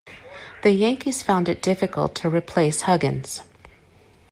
The Yankees found it difficult to replace Huggins.